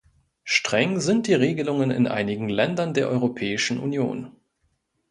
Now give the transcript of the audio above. Streng sind die Regelungen in einigen Ländern der Europäischen Union.